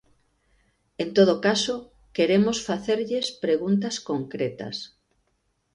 En todo caso, queremos facerlles preguntas concretas.